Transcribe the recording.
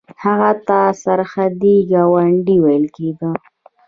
هغه ته سرحدي ګاندي ویل کیده.